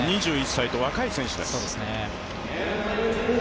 ２１歳と若い選手です。